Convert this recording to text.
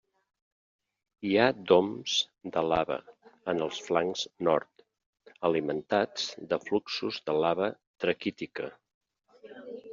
Hi ha doms de lava en els flancs nord, alimentats de fluxos de lava traquítica.